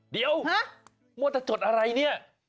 เดี๋ยวมัวแต่จดอะไรเนี่ย